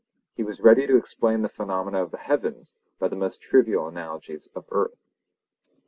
He was ready to explain the phenomena of the heavens by the most trivial analogies of earth.